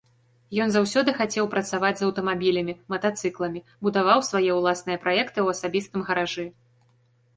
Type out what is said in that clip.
Ён заўсёды хацеў працаваць з аўтамабілямі, матацыкламі, будаваў свае ўласныя праекты ў асабістым гаражы.